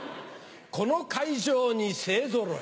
この会場に勢ぞろい。